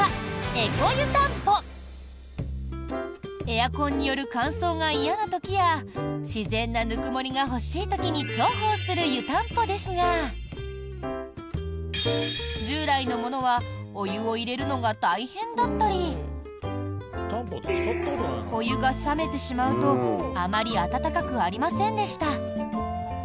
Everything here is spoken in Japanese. エアコンによる乾燥が嫌な時や自然なぬくもりが欲しい時に重宝する湯たんぽですが従来のものはお湯を入れるのが大変だったりお湯が冷めてしまうとあまり温かくありませんでした。